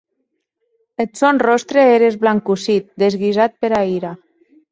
Eth sòn ròstre ère esblancossit, desguisat pera ira.